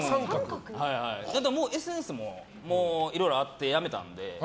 もうＳＮＳもいろいろあってやめたので。